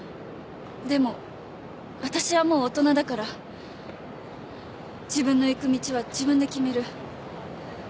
でも私はもう大人だから自分の行く道は自分で決める。